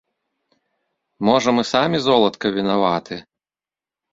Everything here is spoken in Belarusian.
Можа, мы самі, золатка, вінаваты?